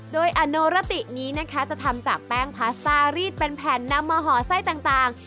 โดยอโนรตินี้นะคะจะทำจากแป้งพาสต้ารีดเป็นแผ่นนำมาห่อไส้ต่าง